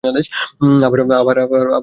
আবার দেখ একটু।